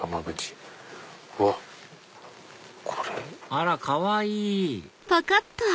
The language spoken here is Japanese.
あらかわいい！